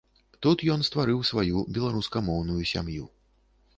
Тут ён стварыў сваю беларускамоўную сям'ю.